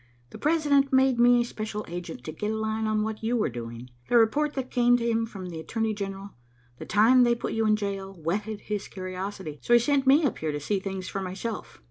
"The President made me a special agent to get a line on what you were doing. The report that came to him from the Attorney General, the time they put you in jail, whetted his curiosity, so he sent me up here to see things for myself.